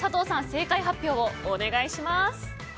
正解発表をお願いします。